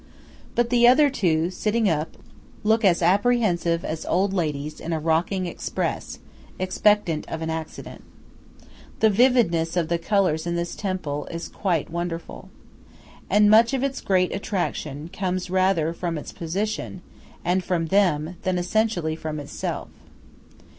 But the other two sitting up, look as apprehensive as old ladies in a rocking express, expectant of an accident. The vividness of the colors in this temple is quite wonderful. And much of its great attraction comes rather from its position, and from them, than essentially from itself.